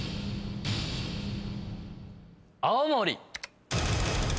青森。